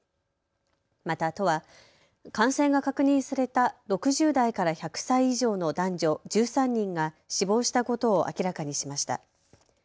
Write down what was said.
また都は感染が確認された６０代から１００歳以上の男女１３人が死亡したことを明らかにしました。